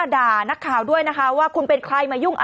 ปรากฏว่าสิ่งที่เกิดขึ้นคลิปนี้ฮะ